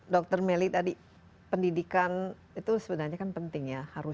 dr melly tadi pendidikan itu sebenarnya kan penting ya harus